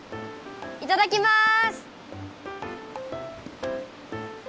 いただきます！